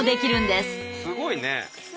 すごいね。